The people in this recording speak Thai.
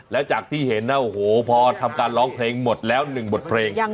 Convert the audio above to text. แล้วจากที่เห็นนะโอ้โหพอทำการร้องเพลงหมดแล้ว๑บทเพลง